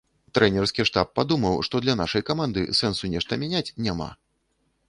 Трэнерскі штаб падумаў, што для нашай каманды сэнсу нешта мяняць няма.